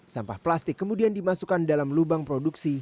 sampah plastik kemudian dimasukkan dalam lubang produksi